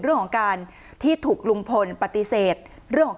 ก็อยู่ด้วยกันต่อไปก็ให้ออกมาวันนี้เลยในนิดนึงนะ